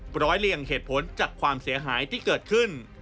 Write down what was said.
ร้อยเลี่ยงเหตุผลจากความเสียหายที่เกิดขึ้น